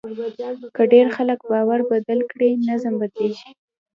که ډېر خلک باور بدل کړي، نظم بدلېږي.